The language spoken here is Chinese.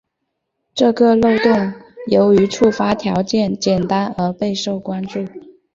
这个漏洞由于触发条件简单而备受关注。